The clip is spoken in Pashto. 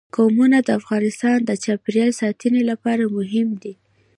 قومونه د افغانستان د چاپیریال ساتنې لپاره مهم دي.